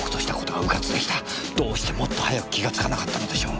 どうしてもっと早く気がつかなかったのでしょう。